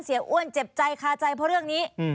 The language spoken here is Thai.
อ้วนเจ็บใจคาใจเพราะเรื่องนี้